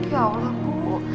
ya allah bu